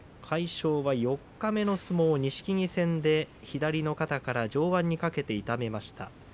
魁勝は四日目の相撲、錦木戦で左の肩から上腕にかけて痛めました。